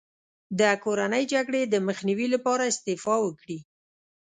د کورنۍ جګړې د مخنیوي لپاره استعفا وکړي.